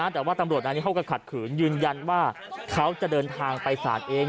แต่ว่าตำรวจนายนี้เขาก็ขัดขืนยืนยันว่าเขาจะเดินทางไปศาลเอง